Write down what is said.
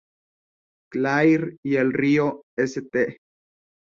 Clair y el río St.